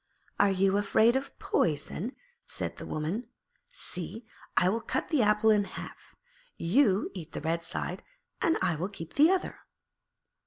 'Are you afraid of poison?' said the woman. 'See, I will cut the apple in half: you eat the red side and I will keep the other.'